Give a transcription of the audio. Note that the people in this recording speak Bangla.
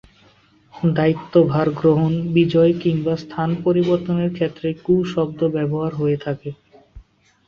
দায়িত্বভার গ্রহণ, বিজয় কিংবা স্থান পরিবর্তনের ক্ষেত্রে ক্যু শব্দ ব্যবহার হয়ে থাকে।